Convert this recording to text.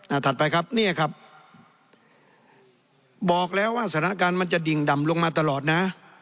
ถัดไปครับเนี่ยครับบอกแล้วว่าสถานการณ์มันจะดิ่งดำลงมาตลอดนะ